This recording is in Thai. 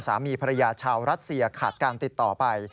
สามีภรรยาชาวรัสเซียขาดการติดต่อไป